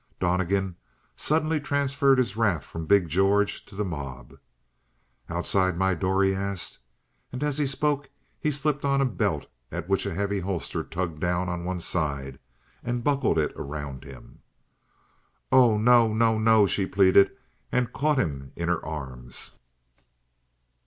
Donnegan suddenly transferred his wrath from big George to the mob. "Outside my door?" he asked. And as he spoke he slipped on a belt at which a heavy holster tugged down on one side, and buckled it around him. "Oh, no, no, no!" she pleaded, and caught him in her arms.